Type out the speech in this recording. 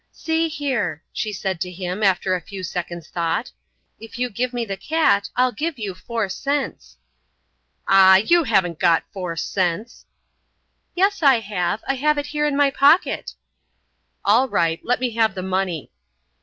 "See here," she said to him, after a few seconds' thought, "If you give me the cat, I'll give you four cents." "Ah, you haven't got four cents." "Yes, I have; I have it here in my pocket" "All right, let me have the money."